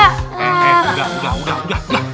udah udah udah